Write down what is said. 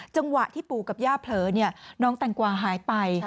จังหวะที่ปู่กับย่าเผลอน้องแตงกวาหายไป